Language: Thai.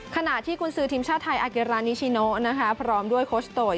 ขณะที่กุญสือทีมชาติไทยอาเกรานิชิโนนะคะพร้อมด้วยโคชโตย